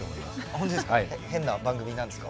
本当ですか。